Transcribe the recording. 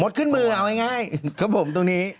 ขึ้นมือเอาง่ายครับผมตรงนี้